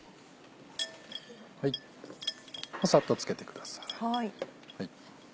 サッとつけてください。